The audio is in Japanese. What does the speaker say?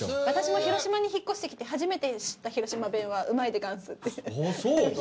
私も広島に引っ越してきて初めて知った広島弁は「うまいでがんす」でああそう？